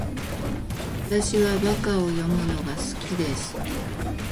私は和歌を詠むのが好きです